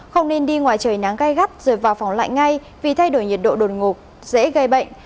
không nên đi ngoài trời nắng gai gắt rồi vào phòng lại ngay vì thay đổi nhiệt độ đột ngột dễ gây bệnh